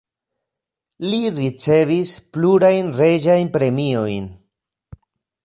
Li ricevis plurajn reĝajn premiojn.